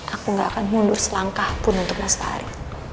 aku gak akan mundur selangkah pun untuk mas fahri